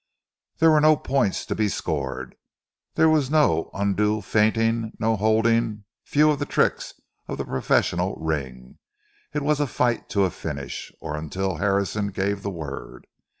There were no points to be scored. There had been no undue feinting, no holding, few of the tricks of the professional ring. It was a fight to a finish, or until Harrison gave the word.